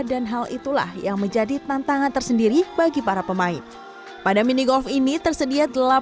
dan hal itulah yang menjadi tantangan tersendiri bagi para pemain pada mini golf ini tersedia delapan belas